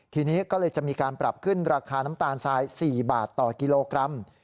ทีนี้ก็เลยจะมีการปรับขึ้นราคาน้ำตาลทราย๔บาทต่อกิโลกรัม